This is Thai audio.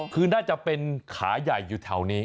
คือน่าจะเป็นขาใหญ่อยู่แถวนี้